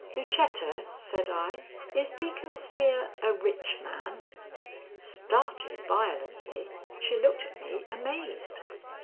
"Lucetta," said I, "is Deacon Spear a rich man?" Starting violently, she looked at me amazed.